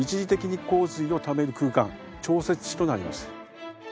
調節池となります。